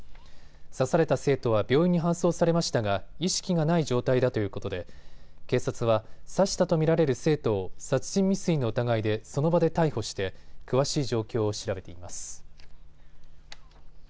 刺された生徒は病院に搬送されましたが意識がない状態だということで警察は刺したと見られる生徒を殺人未遂の疑いでその場で逮捕して詳しい状況を調べています。